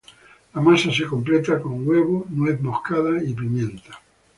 La masa se completa con huevo, nuez moscada y pimienta.